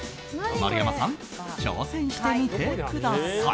丸山さん、挑戦してみてください。